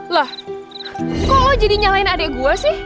loh kok lo jadi nyalahin adek gua sih